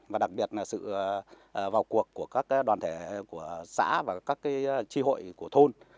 và đặc biệt là sự vào cuộc của các đoàn thể của xã và các tri hội của thôn